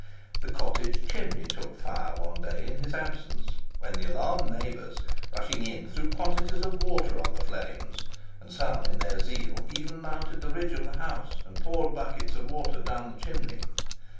The cottage chimney took fire one day in his absence, when the alarmed neighbours, rushing in, threw quantities of water upon the flames; and some, in their zeal, even mounted the ridge of the house, and poured buckets of water down the chimney.